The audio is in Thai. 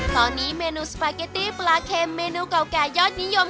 ตอนนี้เมนูสปาเกตตี้ปลาเค็มเมนูเก่าแก่ยอดนิยม